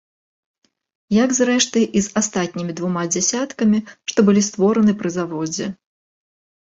Як, зрэшты, і з астатнімі двума дзясяткамі, што былі створаны пры заводзе.